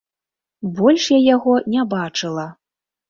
Больш я яго не бачыла.